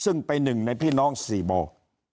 ซึ่งเป็นหนึ่งในพี่น้อง๔บ่อ